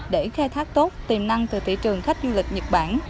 để khai thác tốt tiềm năng từ thị trường khách du lịch nhật bản